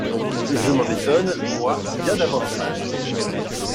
Je m'en étonne, moi, bien davantage.